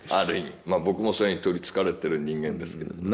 まぁ僕もそれにとりつかれてる人間ですけどね